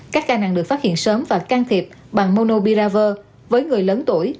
các ca nặng được phát hiện sớm và can thiệp bằng monobiraver với người lớn tuổi